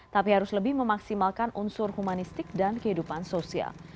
tapi harus lebih memaksimalkan unsur humanistik dan kehidupan sosial